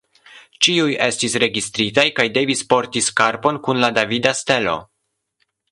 Ĉiuj estis registritaj kaj devis porti skarpon kun la davida stelo.